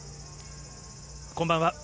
こんばんは。